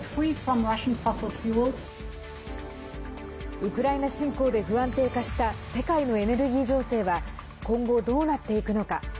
ウクライナ侵攻で不安定化した世界のエネルギー情勢は今後どうなっていくのか。